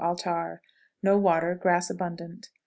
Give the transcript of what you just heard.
Altar. No water; grass abundant.